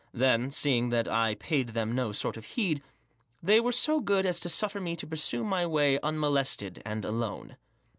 Then, seeing that I paid them no sort of heed, they were so good as Xq suffer me to pursue my way unmolested and alone.